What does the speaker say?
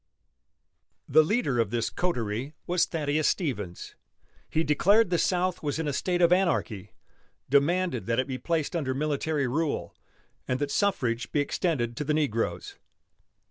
The leader of this coterie was Thaddeus Stevens. He declared the South was in a state of anarchy, demanded that it be placed under military rule and that suffrage be extended to the negroes.